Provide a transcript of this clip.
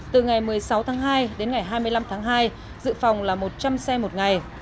từ ngày một mươi sáu tháng hai đến ngày hai mươi năm tháng hai dự phòng là một trăm linh xe một ngày